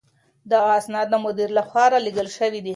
دغه اسناد د مدير له خوا رالېږل شوي دي.